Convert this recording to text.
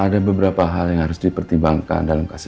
ada beberapa hal yang harus dipertimbangkan dalam kasus ini